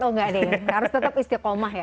oh enggak deh harus tetap istiqomah ya